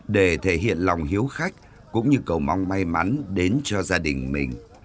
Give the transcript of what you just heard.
để thể hiện lòng hiếu khách cũng như cầu mong may mắn đến cho gia đình mình